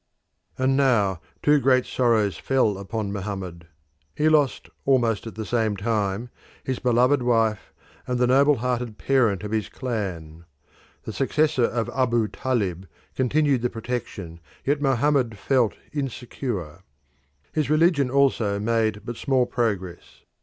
And now two great sorrows fell upon Mohammed. He lost almost at the same time his beloved wife and the noble hearted parent of his clan. The successor of Abu Talib continued the protection, yet Mohammed felt insecure. His religion also made but small progress.